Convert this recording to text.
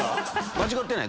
間違ってない？